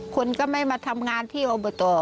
คนก็ไม่มาทำงานที่อบต